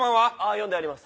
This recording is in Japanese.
呼んであります。